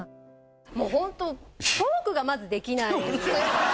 もう本当、トークがまずできないんです。